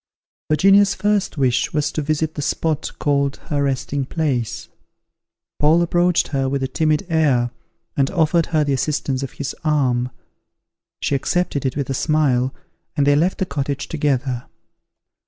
Virginia's first wish was to visit the spot called her Resting place. Paul approached her with a timid air, and offered her the assistance of his arm; she accepted it with a smile, and they left the cottage together.